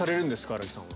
新木さんは。